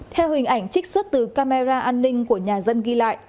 theo hình ảnh trích xuất từ camera an ninh của nhà dân ghi lại